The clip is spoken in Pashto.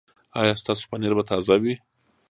ایا ستاسو پنیر به تازه وي؟